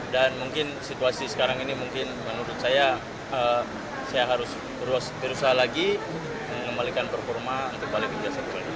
dan mungkin situasi sekarang ini menurut saya saya harus berusaha lagi mengembalikan performa untuk balik ke liga satu